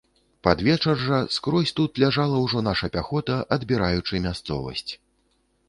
Пад вечар жа, скрозь тут, ляжала ўжо наша пяхота, адбіраючы мясцовасць.